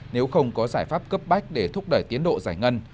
nếu không có giải pháp cấp bách để thúc đẩy tiến độ giải ngân